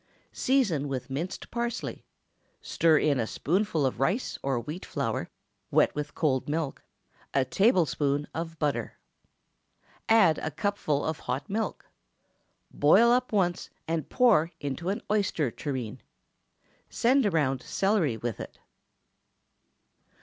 Season with minced parsley, stir in a spoonful of rice or wheat flour, wet with cold milk, a tablespoonful of butter. Add a cupful of hot milk. Boil up once and pour into an oyster tureen. Send around celery with it.